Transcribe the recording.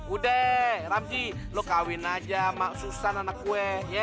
udah ramzi lo kawin aja sama susan anak gue